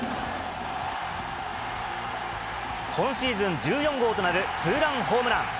今シーズン１４号となるツーランホームラン。